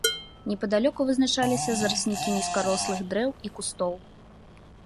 Непадалёку вызначаліся зараснікі нізкарослых дрэў і кустоў.